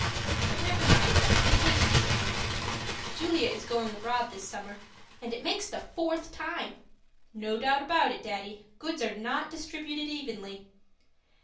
But never mind, vacation's coming. Julia is going abroad this summer it makes the fourth time. No doubt about it, Daddy, goods are not distributed evenly.